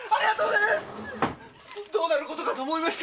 どうなることかと思いました！